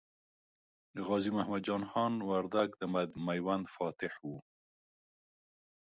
غازي محمد جان خان وردګ د میوند فاتح و.